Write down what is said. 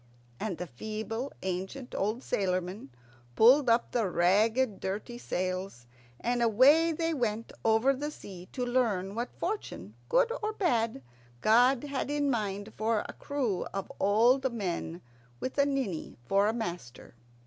And the feeble, ancient, old sailormen pulled up the ragged, dirty sails, and away they went over the sea to learn what fortune, good or bad, God had in mind for a crew of old men with a ninny for a master.